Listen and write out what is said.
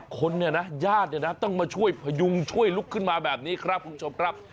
คนเนี่ยนะญาติเนี่ยนะต้องมาช่วยพยุงช่วยลุกขึ้นมาแบบนี้ครับคุณผู้ชมครับ